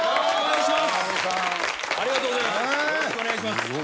ありがとうございます。